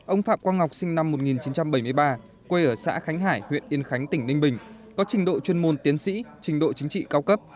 ông phạm quang ngọc sinh năm một nghìn chín trăm bảy mươi ba quê ở xã khánh hải huyện yên khánh tỉnh ninh bình có trình độ chuyên môn tiến sĩ trình độ chính trị cao cấp